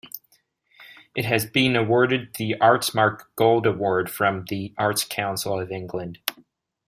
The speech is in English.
It has been awarded the Artsmark Gold Award from the Arts Council of England.